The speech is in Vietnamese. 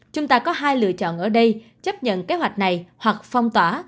chúng ta có hai lựa chọn ở đây chấp nhận kế hoạch này hoặc phong tỏa